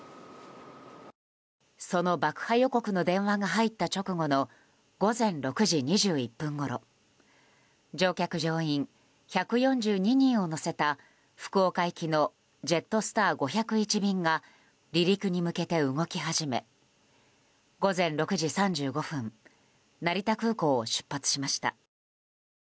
その爆破予告の電話が入った直後の午前６時２１分ごろ乗客・乗員１４２人を乗せた福岡行きのジェットスター５０１便が離陸に向けて動き始め午前６時３５分成田空港を出発しました。